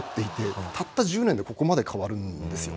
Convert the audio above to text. たった１０年でここまで変わるんですよ。